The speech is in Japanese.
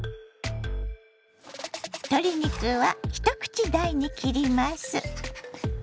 鶏肉は一口大に切ります。